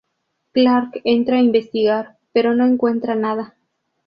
Clark entra a investigar, pero no encuentra nada.